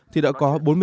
thì đã có bốn mươi hai hộ